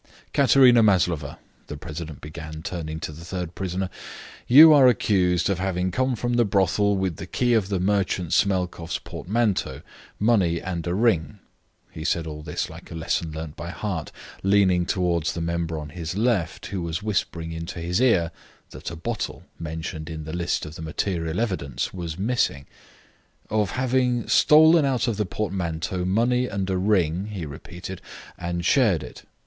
"Katerina Maslova," the president began, turning to the third prisoner, "you are accused of having come from the brothel with the key of the merchant Smelkoff's portmanteau, money, and a ring." He said all this like a lesson learned by heart, leaning towards the member on his left, who was whispering into his ear that a bottle mentioned in the list of the material evidence was missing. "Of having stolen out of the portmanteau money and a ring," he repeated, "and shared it.